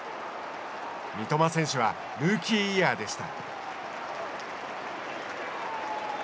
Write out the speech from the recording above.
三笘選手はルーキーイヤーでした。